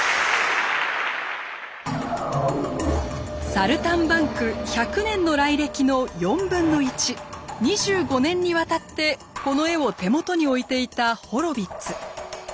「サルタンバンク」１００年の来歴の４分の１２５年にわたってこの絵を手元に置いていたホロヴィッツ。